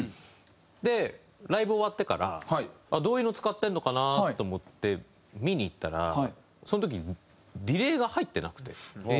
でライブ終わってからどういうのを使ってるのかなと思って見に行ったらその時ディレイが入ってなくて。